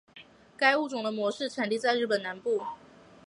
该物种的模式产地在日本南部。